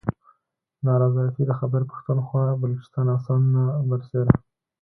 نا رضایتي د خیبر پښتونخواه، بلوچستان او سند نه بر سیره